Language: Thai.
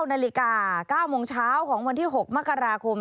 นาฬิกา๙โมงเช้าของวันที่๖มกราคม